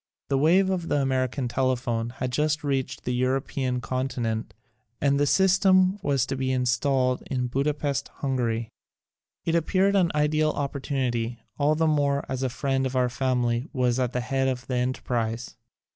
The wave of the American tele phone had just reached the European con tinent and the system was to be installed in Budapest, Hungary. It appeared an ideal opportunity, all the more as a friend of our family was at the head of the enterprise.